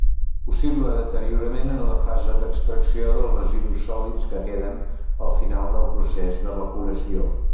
Possible deteriorament en la fase d'extracció dels residus sòlids que queden al final del procés d'evaporació.